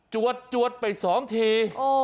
จวดจวดไปสองที